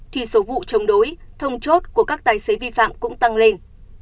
thì số vụ chống đối thông chốt của các tài xế vi phạm cũng tăng lên